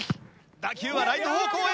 打球はライト方向へ！